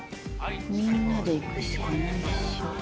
「みんなで行くしかないっしょ」。